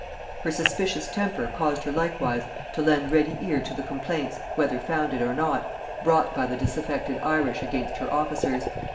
Her suspicious temper caused her likewise to lend ready ear to the complaints, whether founded or not, brought by the disaffected Irish against her officers.